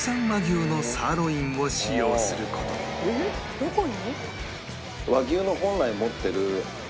「どこに？」